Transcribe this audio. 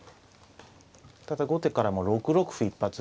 ただ後手からも６六歩一発。